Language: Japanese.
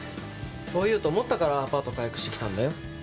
そう言うと思ったからアパート解約してきたんだよ。